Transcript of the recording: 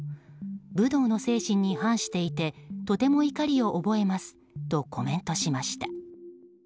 武道の精神に反していてとても怒りを覚えますとコメントしました。